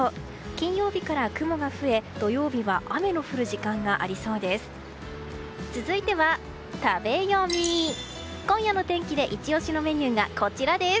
金曜日から雲が増え土曜日は雨の降る時間がありそうです。